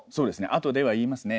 「あとで」は言いますね。